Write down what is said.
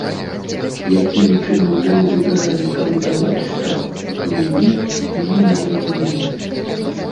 Якім чынам яны выбіралі, каму даваць штраф, а каму не, мне незразумела.